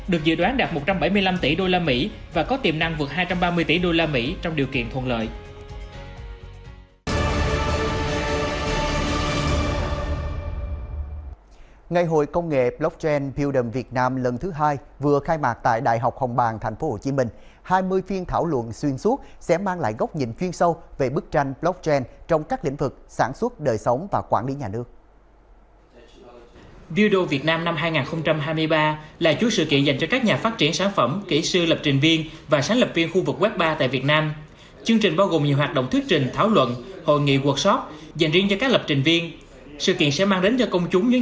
được dự đoán đạt một trăm bảy mươi năm tỷ usd và có tiềm năng vượt hai trăm ba mươi tỷ usd trong điều kiện thuận lợi